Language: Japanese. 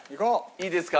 いいですか？